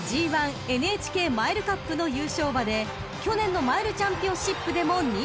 ［ＧⅠＮＨＫマイルカップの優勝馬で去年のマイルチャンピオンシップでも２着］